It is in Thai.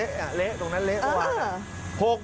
เละอ่ะเละตรงนั้นเละออกอ่ะ